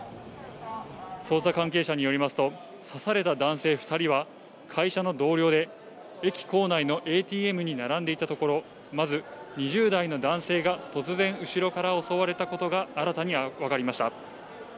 捜査関係者によりますと、刺された男性２人は会社の同僚で、駅構内のＡＴＭに並んでいたところ、まず２０代の男性が突然、後ろから襲われたことが新たに分かりました。